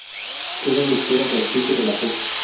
Queda en espera del juicio de la Fe.